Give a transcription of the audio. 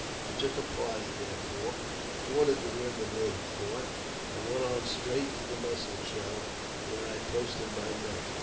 I took a party, therefore, forded the river near the fort, and went on straight to the Mussel Shell, where I posted my men.